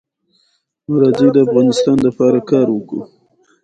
ازادي راډیو د ترانسپورټ په اړه د ننګونو یادونه کړې.